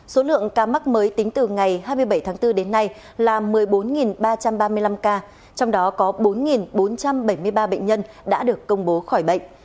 số lượng ca mắc mới tính từ ngày hai mươi bảy tháng bốn đến nay là một mươi bốn ba trăm ba mươi năm ca trong đó có bốn bốn trăm bảy mươi ba bệnh nhân đã được công bố khỏi bệnh